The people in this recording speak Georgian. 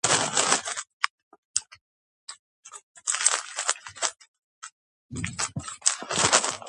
თურქეთის რესპუბლიკას ასევე ბრალად ედება უცხოელი საგამოძიებო ჟურნალისტების და გენოციდის მკვლევრების დაშინება.